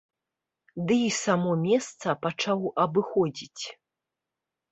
Ды й само месца пачаў абыходзіць.